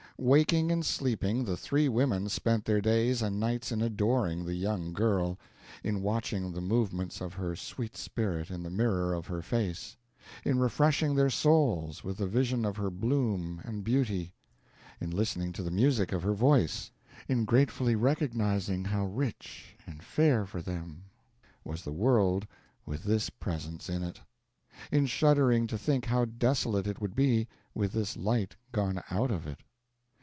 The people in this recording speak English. Waking and sleeping, the three women spent their days and nights in adoring the young girl; in watching the movements of her sweet spirit in the mirror of her face; in refreshing their souls with the vision of her bloom and beauty; in listening to the music of her voice; in gratefully recognizing how rich and fair for them was the world with this presence in it; in shuddering to think how desolate it would be with this light gone out of it.